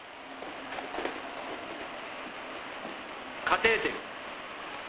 カテーテル。